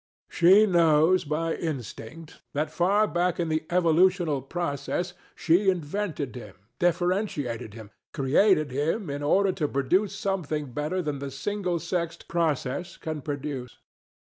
She knows by instinct that far back in the evolutional process she invented him, differentiated him, created him in order to produce something better than the single sexed process can produce.